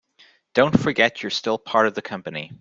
Don't forget that you're still part of the company.